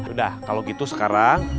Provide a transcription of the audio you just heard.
udah kalau gitu sekarang ustaz fahri